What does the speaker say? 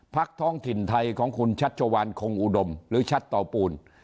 ท้องถิ่นไทยของคุณชัชวานคงอุดมหรือชัดเตาปูน